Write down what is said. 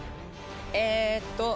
えーっと。